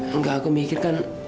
enggak aku mikir kan